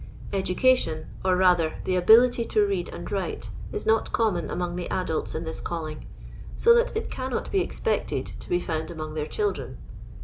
Education, or rather the ability to read nnd write, is not common among the adults in this calling, 80 that it cannot be expected to be found among their children.